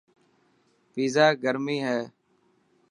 پيزا گرمي هي.